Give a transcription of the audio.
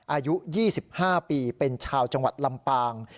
อายุ๒๕ปีเป็นชาวจังหวัดลำปาง